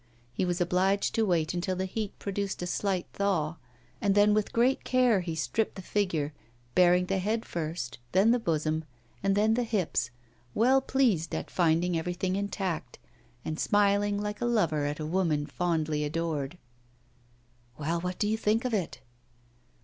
He was obliged to wait until the heat produced a slight thaw, and then with great care he stripped the figure, baring the head first, then the bosom, and then the hips, well pleased at finding everything intact, and smiling like a lover at a woman fondly adored. 'Well, what do you think of it?